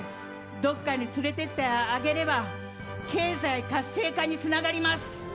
どこかに連れて行ってあげれば経済活性化につながります。